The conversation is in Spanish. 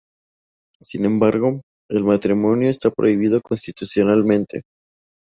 Sin embargo, el matrimonio está prohibido constitucionalmente.